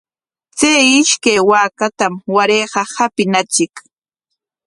Chay ishkay waakatam warayqa qapinachik.